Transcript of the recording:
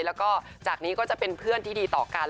แล้วก็จากนี้ก็จะเป็นเพื่อนที่ดีต่อกัน